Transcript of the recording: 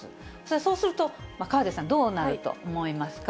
そうすると、河出さん、どうなると思いますか？